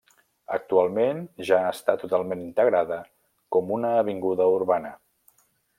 Actualment ja està totalment integrada com una avinguda urbana.